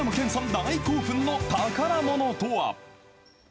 大興奮の宝ものとは。